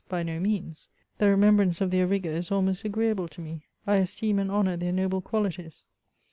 By no means ; the re membrance of their rigour is almost agreeable to me ; I esteem and honour their noble qualities.